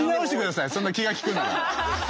そんな気が利くなら。